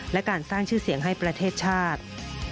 และการสร้างชื่อเสียงให้ประเทศชาติ